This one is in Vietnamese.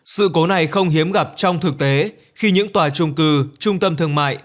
sự cố này không hiếm gặp trong thực tế khi những tòa trung cư trung tâm thương mại